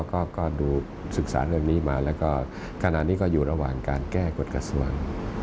ก็ดูศึกษาเรื่องนี้มาแล้วก็ขณะนี้ก็อยู่ระหว่างการแก้กฎกระทรวง